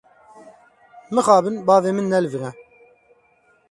Mixabin bavê min ne li vir e.